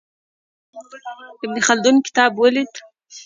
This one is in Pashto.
د ابن خلدون کتاب ولید.